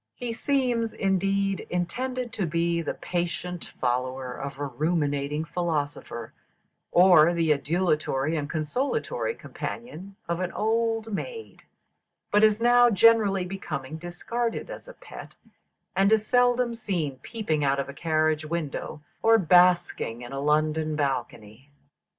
He seems, indeed, intended to be the patient follower of a ruminating philosopher, or the adulatory and consolatory companion of an old maid; but is now gradually becoming discarded as a pet, and is seldom seen peeping out of a carriage window or basking in a London balcony.